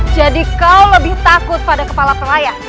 jadi kau lebih takut pada kepala pelayan